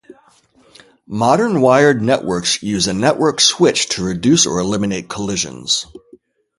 Modern wired networks use a network switch to reduce or eliminate collisions.